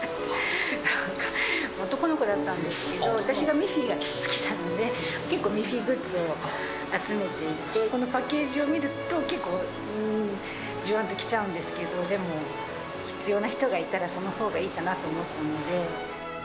なんか男の子だったんですけど、私がミッフィーが好きなので、結構ミッフィーグッズを集めていて、このパッケージを見ると、結構、じわんときちゃうんですけど、でも、必要な人がいたらそのほうがいいかなと思ったので。